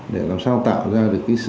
để làm sao tạo ra